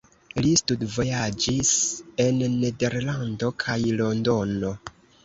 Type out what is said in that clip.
Li studvojaĝis en Nederlando kaj Londono.